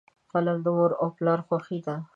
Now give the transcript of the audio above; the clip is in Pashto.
قلم د مور او پلار خوښي ده.